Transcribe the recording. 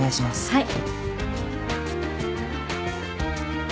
はい。